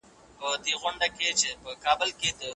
لمر د پټي په سر کې په ځلېدو و.